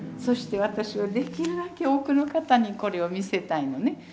そして私はできるだけ多くの方にこれを見せたいのね。